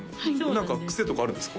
何かクセとかあるんですか？